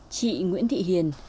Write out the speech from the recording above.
chị nguyễn thị hiền